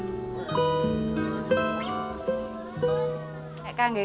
ketika di rumah saya saya selalu menanggung